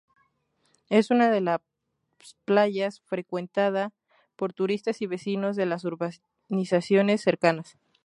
Es una de las playa frecuentada por turistas y vecinos de las urbanizaciones cercanas.